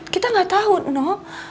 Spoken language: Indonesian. kita gak tahu no